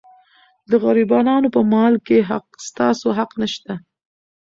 د غریبانو په مال کې ستاسو حق نشته.